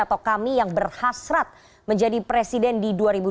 atau kami yang berhasrat menjadi presiden di dua ribu dua puluh